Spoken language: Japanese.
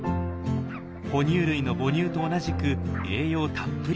哺乳類の母乳と同じく栄養たっぷり。